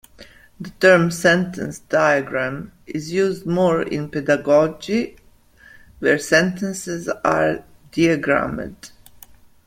The term "sentence diagram" is used more in pedagogy, where sentences are "diagrammed".